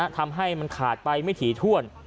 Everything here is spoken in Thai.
ทำให้มันขาดไปไม่ถี่ถ้วน